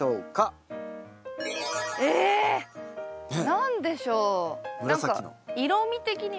何でしょう？